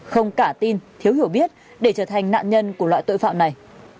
không cả tin thiếu hiểu biết để trở thành nạn nhân của loại tội phạm này